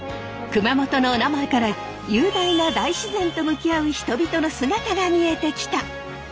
熊本のおなまえから雄大な大自然と向き合う人々の姿が見えてきた！